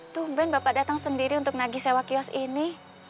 tuh ben bapak datang sendiri untuk nagi sewa kios ini